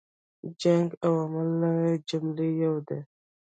جنګ عواملو له جملې یو دی.